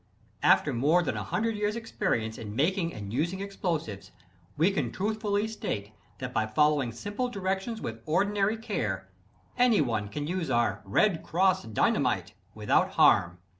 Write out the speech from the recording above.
After more than a hundred years' experience in making and using explosives, we can truthfully state that by following simple directions with ordinary care, anyone can use our "Red Cross" Dynamite without harm.